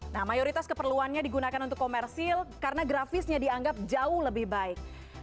nah mayoritas keperluannya digunakan untuk komersil karena grafisnya dianggap jauh lebih baik